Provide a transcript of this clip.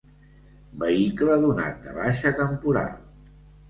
Vehicle donat de baixa temporal.